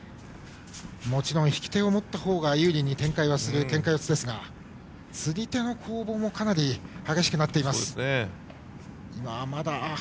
もちろん引き手を持ったほうが有利に展開するけんか四つですが釣り手の攻防も激しくなっています。